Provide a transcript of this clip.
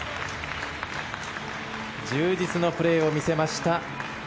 充実のプレーを見せました。